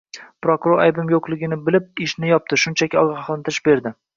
Prokuror aybim yo`qligini bilib, ishni yopdi, shunchaki ogohlantirish berdi